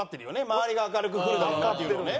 周りが明るくくるだろうなっていうのをね。